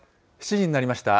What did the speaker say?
７時になりました。